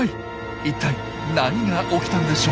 一体何が起きたんでしょう？